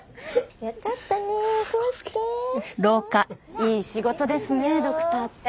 いい仕事ですねドクターって。